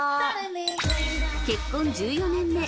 ［結婚１４年目］